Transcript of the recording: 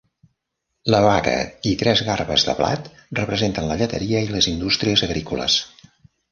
La vaca i tres garbes de blat representen la lleteria i les indústries agrícoles.